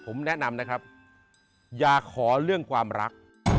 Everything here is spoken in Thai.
ผมแนะนำนะครับอย่าขอเรื่องความรัก